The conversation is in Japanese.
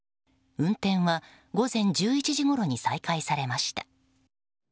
運転は、午前１１時ごろに再開されました。